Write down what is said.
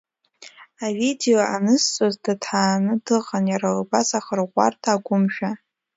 Авидео анызҵоз даҭааны дыҟан, иара убас, ахырӷәӷәарҭа Агәымшәа.